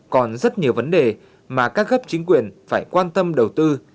còn rất nhiều vấn đề mà các gấp chính quyền phải quan tâm đầu tư